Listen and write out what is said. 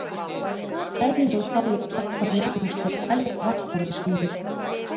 Сай ден осал эртак пырля коштыт але ваштареш лийыт.